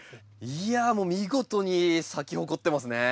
いやもう見事に咲き誇ってますね。